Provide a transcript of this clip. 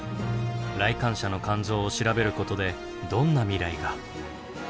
来館者の肝臓を調べることでどんな未来が。